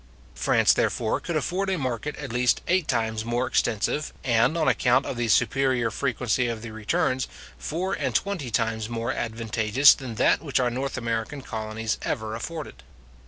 France, therefore, could afford a market at least eight times more extensive, and, on account of the superior frequency of the returns, four and twenty times more advantageous than that which our North American colonies ever afforded.